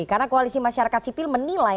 karena koalisi masyarakat sipil menilai